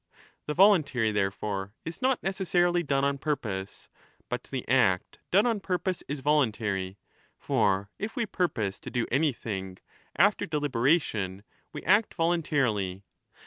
The voluntary, therefore, is not 1189 necessarily done on purpose, but the act done on purpose is voluntary ; for if we purpose to do anything after deliberation, we act voluntarily.